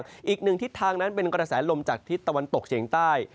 ก็คือกรษาลมจากทิสต์ตะวันตกเฉียงใต้